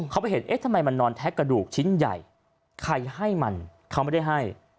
เขาไปเห็นเอ๊ะทำไมมันนอนแท็กกระดูกชิ้นใหญ่ใครให้มันเขาไม่ได้ให้